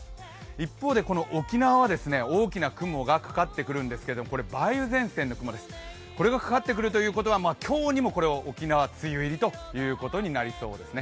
一方で沖縄は大きな雲がかかってくるんですが梅雨前線の雲です、これがかかってくるということは今日にも沖縄、梅雨入りということになりそうですね。